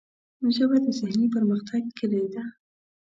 ژبه د ذهني پرمختګ کلۍ ده